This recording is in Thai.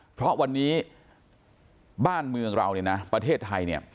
เพราะวันนี้บ้านเมืองเราเนี่ยนะประเทศไทยเนี่ย